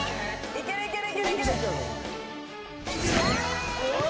いけるいける。